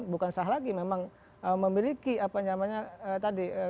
bukan sah lagi memang memiliki kewenangan untuk tadi